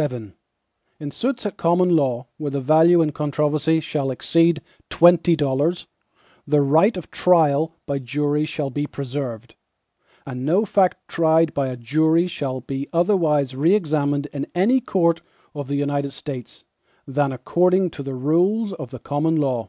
VII In suits at common law, where the value in controversy shall exceed twenty dollars, the right of trial by jury shall be preserved, and no fact tried by a jury shall be otherwise re examined in any court of the United States, than according to the rules of the common law.